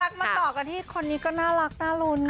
มาต่อกันที่คนนี้ก็น่ารักน่ารุ้น